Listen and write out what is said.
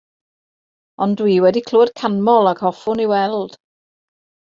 Ond dwi wedi clywed canmol ac hoffwn ei weld.